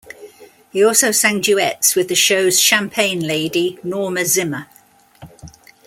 He also sang duets with the show's Champagne Lady Norma Zimmer.